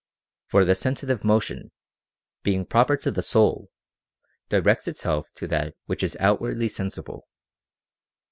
For the sensitive motion, being proper to the soul, directs itself to that which is outwardly sensible.